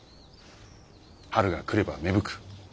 春が来れば芽吹く。